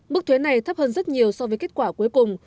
mức thuế này thấp hơn rất nhiều so với kết quả cuối cùng